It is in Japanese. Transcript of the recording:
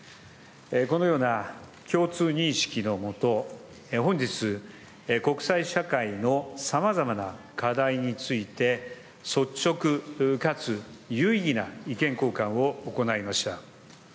このような共通認識の下、本日、国際社会のさまざまな課題について、率直かつ有意義な意見交換を行いました。